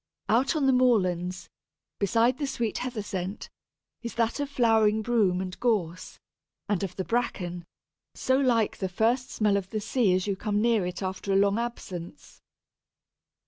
Out on the moorlands, besides the sweet heather scent, is that of flowering Broom and Gorse and of the Bracken, so like the first smell of the sea as you come near it after a long absence.